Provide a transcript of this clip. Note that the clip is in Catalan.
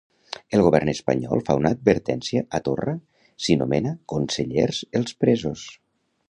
El govern espanyol fa una advertència a Torra si nomena consellers els presos.